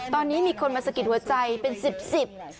ตอนนี้มีคนมาสะกิดหัวใจเป็นสิบสิบ